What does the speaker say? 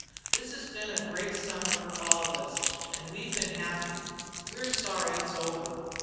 This hes been a great Summer fer us all, an' we've been happy. We're sorry it's over.